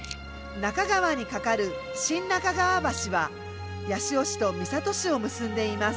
中川に架かる新中川橋は八潮市と三郷市を結んでいます。